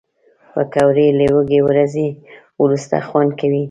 پکورې له وږې ورځې وروسته خوند کوي